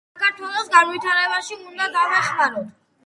საქართველოს განვითარებაში უნდა დავეხმაროთ